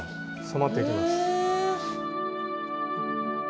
染まっていきます。